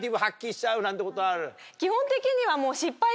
基本的には。